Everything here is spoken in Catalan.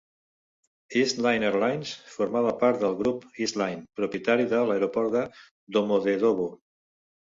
East Line Airlines formava part del grup East Line, propietari de l'aeroport de Domodédovo.